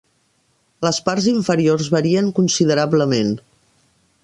Les parts inferiors varien considerablement.